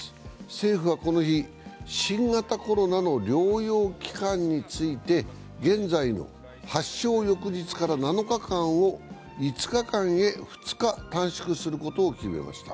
政府はこの日、新型コロナの療養期間について現在の発症翌日から７日間を５日間へ２日短縮することに決めました。